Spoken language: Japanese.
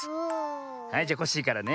はいじゃコッシーからね。